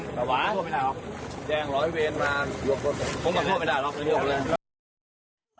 ผมไม่โทษไปด้านรอลงโทษไปด้านร้อย